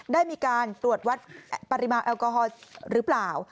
ได้มีการตรวจวัดปริมาณแอลกอฮอล์หรือเปล่า